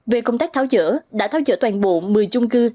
về công tác tháo dỡ đã tháo dỡ toàn bộ một mươi chung cư